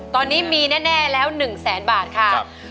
ตอนนี้มีแน่แล้ว๑แสนบาทค่ะ